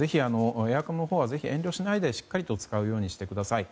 エアコンのほうはぜひ遠慮しないでしっかりと使うようにしてください。